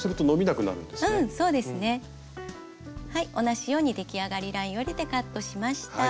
同じようにできあがりラインを入れてカットしました。